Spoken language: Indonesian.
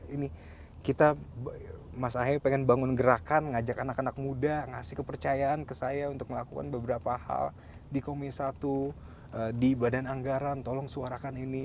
ini kita mas ahy pengen bangun gerakan ngajak anak anak muda ngasih kepercayaan ke saya untuk melakukan beberapa hal di komisi satu di badan anggaran tolong suarakan ini